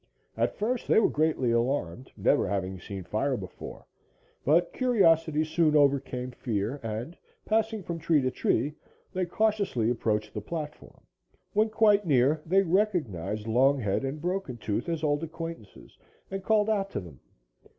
At first, they were greatly alarmed, never having seen fire before, but curiosity soon overcame fear, and, passing from tree to tree, they cautiously approached the platform. When quite near they recognized Longhead and Broken Tooth as old acquaintances and called out to them.